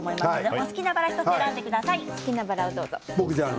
お好きなバラを１つ選んでください。